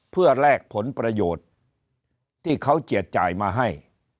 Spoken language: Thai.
เพื่อแลกผลประโยชน์ที่เขาเจียดจ่ายมาให้